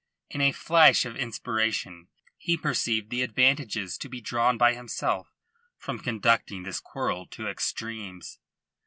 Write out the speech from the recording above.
In a flash of inspiration he perceived the advantages to be drawn by himself from conducting this quarrel to extremes.